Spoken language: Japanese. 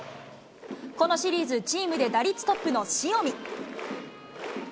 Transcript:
このシリーズ、チームで打率トップの塩見。